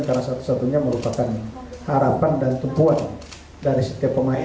karena satu satunya merupakan harapan dan tempuan dari setiap pemain